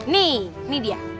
nih nih dia